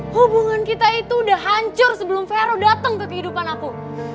hubungan kita itu udah hancur sebelum vero datang ke kehidupan aku